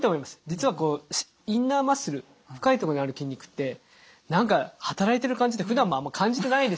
実はこうインナーマッスル深い所にある筋肉って何か働いてる感じってふだんもあんま感じてないんですよね。